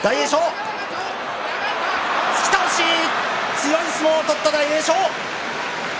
強い相撲を取った大栄翔。